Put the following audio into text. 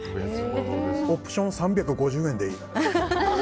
オプション３５０円でいい。